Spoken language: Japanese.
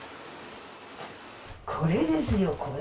これですよこれ。